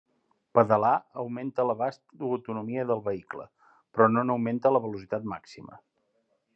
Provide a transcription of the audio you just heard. Pedalar augmenta l'abast o autonomia del vehicle, però no n'augmenta la velocitat màxima.